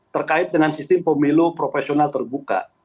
terkait dengan sistem pemilu profesional terbuka